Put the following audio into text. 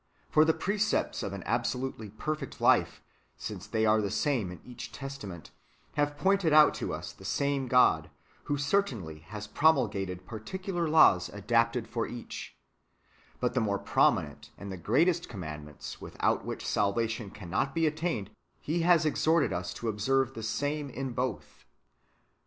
For the precepts of an absolutely perfect life, since they are the same in each Testament, have pointed out [to us] the same God, who certainly has promulgated particular laws adapted for each ; but the more prominent and the greatest [commandments], without which salvation cannot [be attained], He has exhorted [us to observe] the same in both.